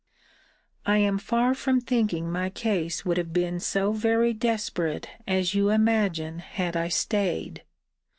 I am far from thinking my case would have been so very desperate as you imagine had I staid.